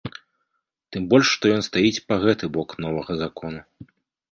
Тым больш што ён стаіць па гэты бок новага закону.